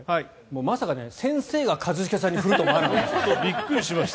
まさか先生が一茂さんに振るとは思わなかった。